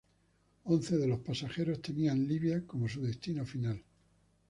Once de los pasajeros tenían Libia como su destino final.